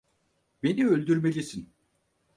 Beni öldürmelisin.